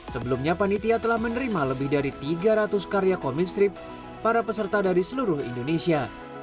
sebelumnya panitia telah menerima lebih dari tiga ratus karya komit strip para peserta dari seluruh indonesia